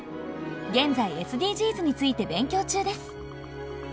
現在ＳＤＧｓについて勉強中です。